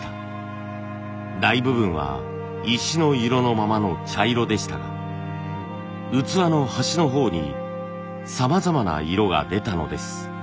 大部分は石の色のままの茶色でしたが器の端のほうにさまざまな色が出たのです。